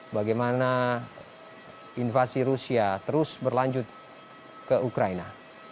bagaimana invasi rusia terus berlanjut ke ukraina